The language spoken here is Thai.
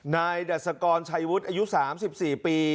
ดัชกรชัยวุฒิอายุ๓๔ปี